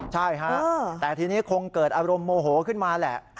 ใช่ฮะแต่ทีนี้คงเกิดอารมณ์โมโหขึ้นมาแหละ